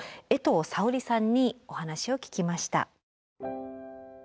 江藤沙織さんにお話を聞きました。